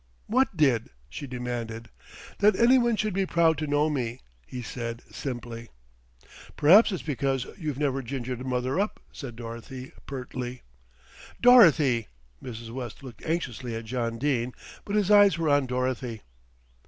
"What did?" she demanded. "That anyone should be proud to know me," he said simply. "Perhaps it's because you've never gingered mother up," said Dorothy pertly. "Dorothy!" Mrs. West looked anxiously at John Dene, but his eyes were on Dorothy.